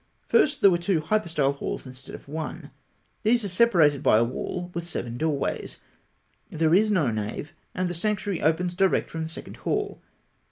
First, there were two hypostyle halls instead of one. These are separated by a wall with seven doorways. There is no nave, and the sanctuary opens direct from the second hall.